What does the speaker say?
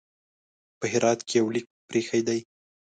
په هرات کې یو لیک پرې ایښی دی.